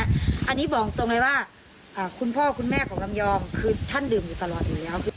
อันนี้บอกตรงเลยว่าคุณพ่อคุณแม่ของลำยองคือท่านดื่มอยู่ตลอดอยู่แล้ว